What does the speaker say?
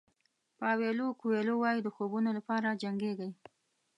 پاویلو کویلو وایي د خوبونو لپاره جنګېږئ.